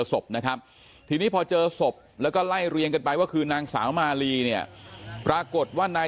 ศพนะครับทีนี้พอเจอศพแล้วก็ไล่เรียงกันไปว่าคือนางสาวมาลีเนี่ยปรากฏว่านาย